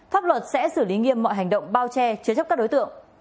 pháp luật sẽ xử lý nghiêm mọi hành động bao che chứa chấp các đối tượng